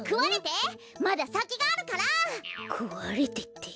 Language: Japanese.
くわれてって。